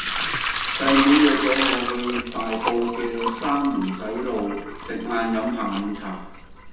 細妹約左我去大埔嘅三門仔路食晏飲下午茶